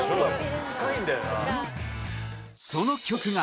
その曲が